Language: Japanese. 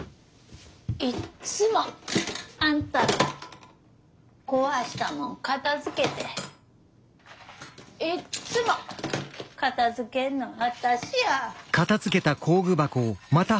いっつもあんたの壊したもん片づけていっつも片づけんの私や。